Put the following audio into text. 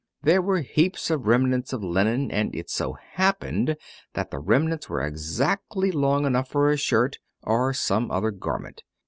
There were heaps of remnants of linen, and it so happened that the remnants were exactly long enough for a shirt, or some other garment.